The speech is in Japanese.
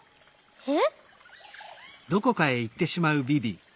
えっ？